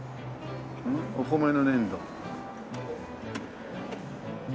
お米のねんど。